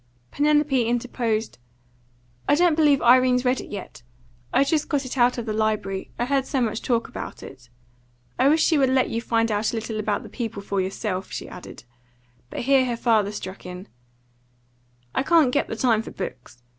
Penelope interposed. "I don't believe Irene's read it yet. I've just got it out of the library; I heard so much talk about it. I wish she would let you find out a little about the people for yourself," she added. But here her father struck in "I can't get the time for books.